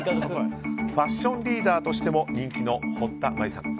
ファッションリーダーとしても人気の堀田真由さん。